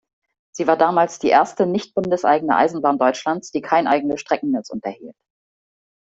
Sie war damals die erste Nichtbundeseigene Eisenbahn Deutschlands, die kein eigenes Streckennetz unterhielt.